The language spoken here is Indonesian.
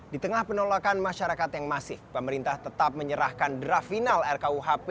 di tengah penolakan masyarakat yang masih pemerintah tetap menyerahkan draf final rrkuhp